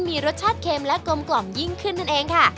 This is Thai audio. มีรสชาติเค็มและกลมกล่อมยิ่งขึ้นนั่นเองค่ะ